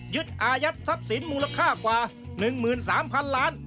อายัดทรัพย์สินมูลค่ากว่า๑๓๐๐๐ล้าน